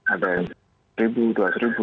ada yang rp satu rp dua puluh